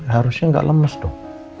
harusnya gak lemes dong